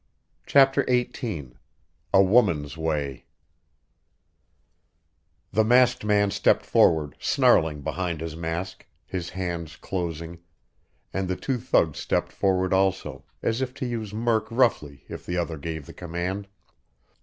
CHAPTER XVIII A WOMAN'S WAY The masked man stepped forward, snarling behind his mask, his hands closing, and the two thugs stepped forward also, as if to use Murk roughly if the other gave the command.